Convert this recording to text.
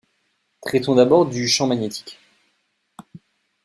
Traitons d'abord du champ magnétique.